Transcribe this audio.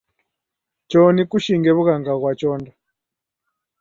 Cho nikushinge wughanga ghwa chonda